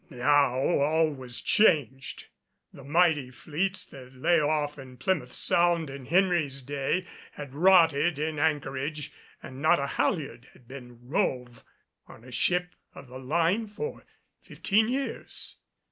Now all was changed. The mighty fleets that lay off in Plymouth Sound in Henry's day, had rotted in anchorage and not a halliard had been rove on a ship of the line for fifteen years.